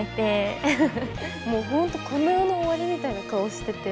もう本当この世の終わりみたいな顔してて。